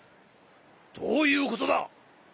どういうことだ？